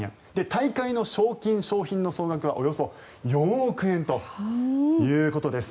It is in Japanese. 大会の賞金・賞品の総額はおよそ４億円ということです。